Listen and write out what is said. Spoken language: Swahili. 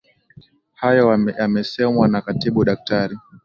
Hayo yamesemwa na Katibu Daktari